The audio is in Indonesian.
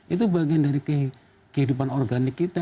itu bagian dari kehidupan organik kita